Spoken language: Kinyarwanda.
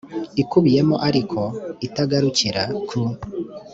ikubiyemo ariko itagarukira ku